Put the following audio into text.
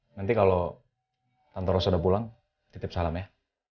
nanti kalau tantoro sudah pulang titip salam ya